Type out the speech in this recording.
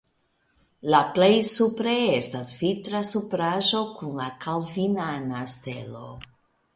La plej supre estas vitra supraĵo kun la kalvinana stelo.